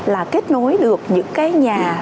là kết nối được những cái nhà